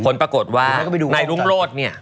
คนปรากฏว่านายรุงโลศนี่